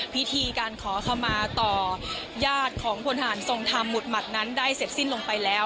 พิธีการขามาต่อยาดของบนหารทรงธรรมมุตมัดนั้นได้เสร็จสิ้นลงไปแล้ว